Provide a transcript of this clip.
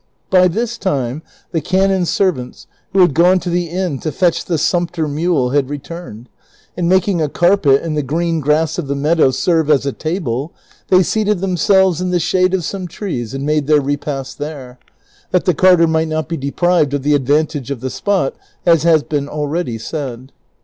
By this time the canon's servants, who had gone to the inn to fetch the sumpter mule, had returned, and making a carpet and the green grass of the meadow serve as a table, they seated themselves in the shade of some trees and made their repast there, that the carter might not be deprived of the ad vantage of the spot, as has been already said.